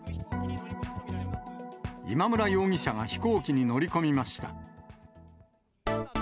今村容疑者が飛行機に乗り込みました。